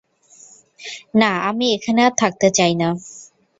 না, আমি এখানে আর থাকতে চাই না।